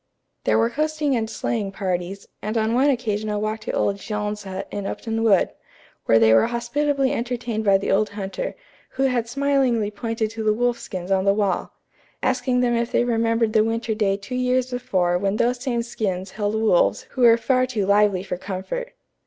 There were coasting and sleighing parties, and on one occasion a walk to old Jean's hut in Upton Wood, where they were hospitably entertained by the old hunter, who had smilingly pointed to the wolf skins on the wall, asking them if they remembered the winter day two years before when those same skins held wolves who were far too lively for comfort.